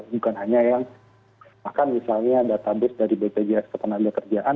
bukan hanya yang bahkan misalnya database dari bpjs ketenaga kerjaan